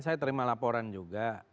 saya terima laporan juga